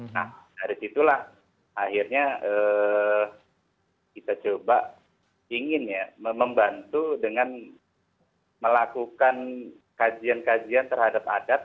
nah dari situlah akhirnya kita coba ingin ya membantu dengan melakukan kajian kajian terhadap adat